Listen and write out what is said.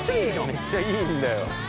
めっちゃいいんだよ。